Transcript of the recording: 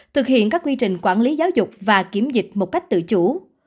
thực hiện các quy trình quản lý giáo dục và kiểm dịch một cách tự chủ